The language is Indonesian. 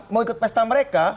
mau ikut pesta mereka